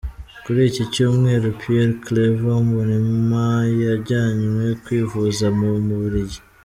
Kuri iki cyumweru Pierre Claver Mbonimpa yajyanywe kwivuza mu mu Bubiligi.